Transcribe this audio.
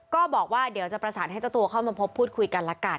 ก็บอกว่าเดี๋ยวจะประสานให้เจ้าตัวเข้ามาพบพูดคุยกันละกัน